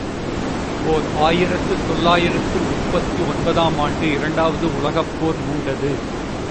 ஓர் ஆயிரத்து தொள்ளாயிரத்து முப்பத்தொன்பது ஆம் ஆண்டு இரண்டாவது உலகப் போர் மூண்டது.